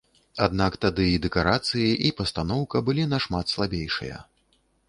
Аднак тады і дэкарацыі, і пастаноўка былі нашмат слабейшыя.